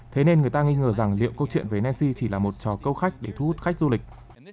thế nên người ta nghi ngờ rằng liệu câu chuyện về nancy chỉ là một trò câu khách để thu hút khách du lịch